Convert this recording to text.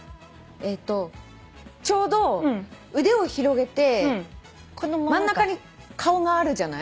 えっとちょうど腕を広げて真ん中に顔があるじゃない？